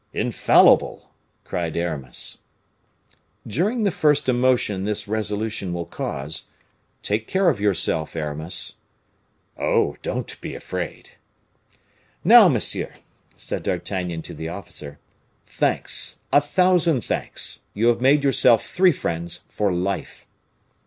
"Infallible!" cried Aramis. "During the first emotion this resolution will cause, take care of yourself, Aramis." "Oh! don't be afraid." "Now, monsieur," said D'Artagnan to the officer, "thanks, a thousand thanks! You have made yourself three friends for life."